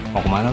mau kemana lu